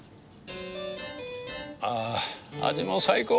あ味も最高。